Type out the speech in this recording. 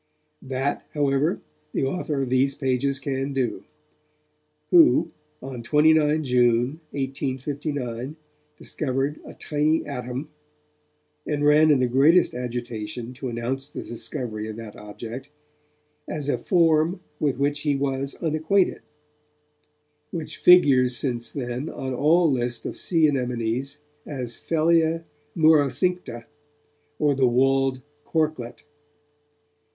That however, the author of these pages can do, who, on 29 June 1859, discovered a tiny atom, and ran in the greatest agitation to announce the discovery of that object 'as a form with which he was unacquainted', which figures since then on all lists of sea anemones as phellia murocincta, or the walled corklet.